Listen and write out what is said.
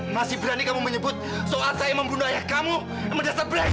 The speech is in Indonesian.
masih berani kamu menyebut soal saya membunuh ayah kamu menyesabri